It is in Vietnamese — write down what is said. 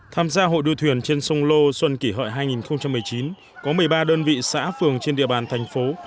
tham gia hội đua thuyền trên sông lô xuân kỷ hợi hai nghìn một mươi chín có một mươi ba đơn vị xã phường trên địa bàn thành phố